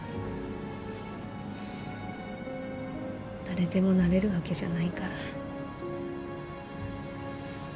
誰でもなれるわけじゃないから。